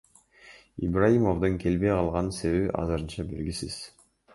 Ибраимовдун келбей калган себеби азырынча белгисиз.